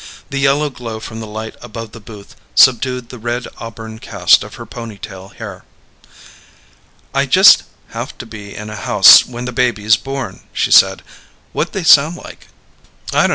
The yellow glow from the light above the booth subdued the red auburn cast of her ponytail hair. "I just have to be in a house when the baby's born," she said. "What'd they sound like?" "I dunno.